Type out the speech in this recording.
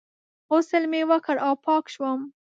غسل مې وکړ او پاک شوم.